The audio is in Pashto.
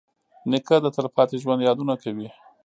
نیکه د تلپاتې ژوند یادونه کوي.